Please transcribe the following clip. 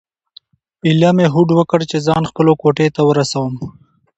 ایله مې هوډ وکړ چې ځان خپلو کوټې ته ورسوم.